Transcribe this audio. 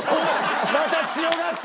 また強がって！